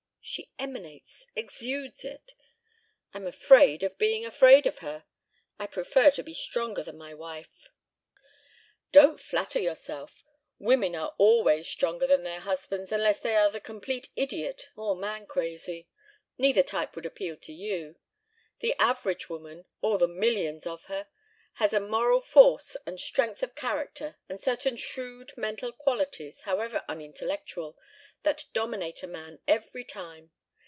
She emanates, exudes it. I'm afraid of being afraid of her. I prefer to be stronger than my wife." "Don't flatter yourself. Women are always stronger than their husbands, unless they are the complete idiot or man crazy. Neither type would appeal to you. The average woman all the millions of her has a moral force and strength of character and certain shrewd mental qualities, however unintellectual, that dominate a man every time.